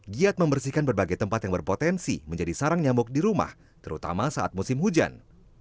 giat membersihkan berbagai tempat yang berpotensi menjadi sarang nyamuk di rumah terutama saat musim hujan